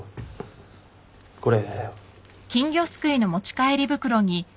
これ。